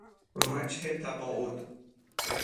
وجه تقاعد